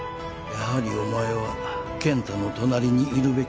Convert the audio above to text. やはりお前は健太の隣にいるべき人間ではない。